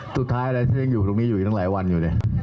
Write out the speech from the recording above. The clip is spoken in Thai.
สุดท้ายอะไรฉันยังอยู่ตรงนี้อยู่อีกตั้งหลายวันอยู่ดิ